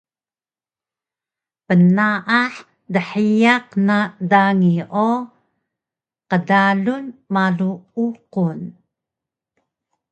Pnaah dhiyaq na dangi o qdalun malu uqun